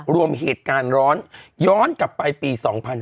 รวมเหตุการณ์ร้อนย้อนกลับไปปี๒๕๕๙